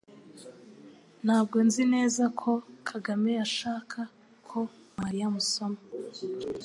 Ntabwo nzi neza ko Kagame yashaka ko Mariya amusoma